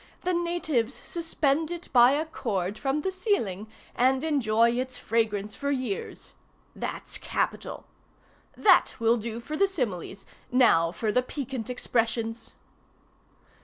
The natives suspend it by a cord from the ceiling, and enjoy its fragrance for years.' That's capital! That will do for the similes. Now for the Piquant Expressions.